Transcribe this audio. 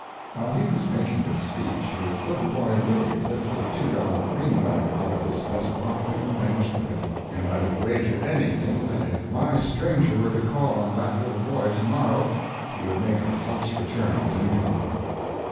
[While he was making this speech his little boy Willie lifted a two dollar greenback out of his vest pocket and vanished with it, and I would wager anything that if my stranger were to call on that little boy to morrow he would make a false return of his income.